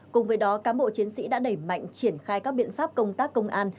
cùng với đó cán bộ chiến sĩ đã đẩy mạnh triển khai các biện pháp công tác công an